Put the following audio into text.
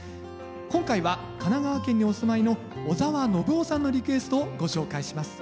今回は神奈川県にお住まいの小澤宣雄さんのリクエストをご紹介します。